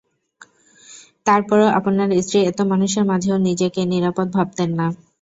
তারপরও আপনার স্ত্রী এত মানুষের মাঝেও নিজেকে নিরাপদ ভাবতেন না।